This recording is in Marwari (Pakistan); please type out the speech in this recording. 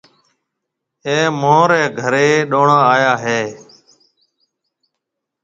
آج مهوريَ گھري ڏوڻا آيا هيَ۔